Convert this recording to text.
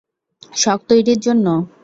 শক তৈরীর জন্য?